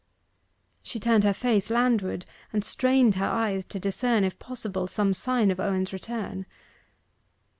She turned her face landward and strained her eyes to discern, if possible, some sign of Owen's return.